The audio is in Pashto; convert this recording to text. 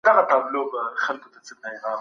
لیکوال به خپل دلایل په هنري ژبه وړاندې کړي.